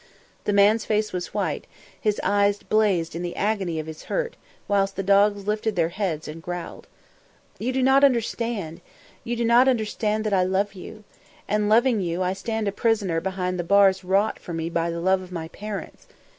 The man's face was white, his eyes blazed in the agony of his hurt, whilst the dogs lifted their heads and growled. "... You do not understand! You do not understand that I love you! And, loving you, I stand a prisoner behind the bars wrought for me by the love of my parents.